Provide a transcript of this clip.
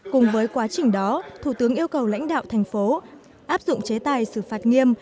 cùng với quá trình đó thủ tướng yêu cầu lãnh đạo thành phố áp dụng chế tài xử phạt nghiêm